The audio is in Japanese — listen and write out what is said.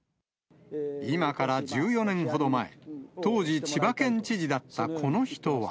今から１４年ほど前、当時、千葉県知事だったこの人は。